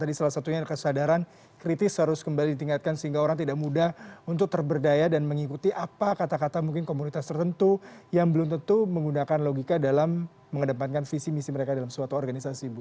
tadi salah satunya kesadaran kritis harus kembali ditingkatkan sehingga orang tidak mudah untuk terberdaya dan mengikuti apa kata kata mungkin komunitas tertentu yang belum tentu menggunakan logika dalam mengedepankan visi misi mereka dalam suatu organisasi ibu